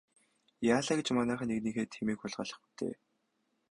Яалаа гэж манайхан нэгнийхээ тэмээг хулгайлах вэ дээ.